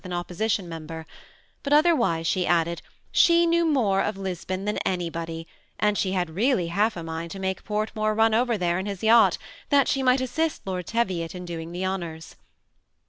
an opposition member; but otherwise, she added, she knew more of Lisbon than anybody, and she had really half a mind to make Portmore run over there in his yacht, that she might assist Lord Teviot in doing the honors.